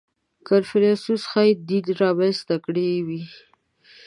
• کنفوسیوس ښایي دین را منځته کړی وي.